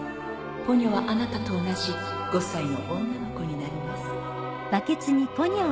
ポニョはあなたと同じ５歳の女の子になります。